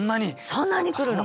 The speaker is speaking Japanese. そんなに来るの。